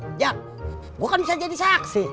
ejak gue kan bisa jadi saksi